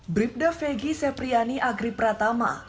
bribda fegi sepriyani agri pratama